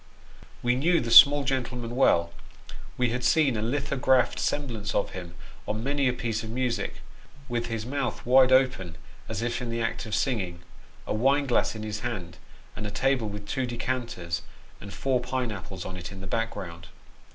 We knew the small gentleman well ; we had seen a lithographed semblance of him, on many a piece of music, with his mouth wide open as if in the act of singing ; a wine glass in his hand ; and a table with two decanters and four pine apples on it in the background.